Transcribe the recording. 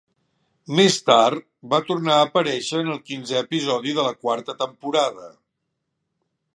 Més tard, va tornar a aparèixer en el quinzè episodi de la quarta temporada.